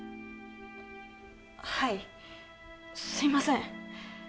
はいすいません